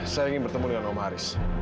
saya ingin bertemu dengan om haris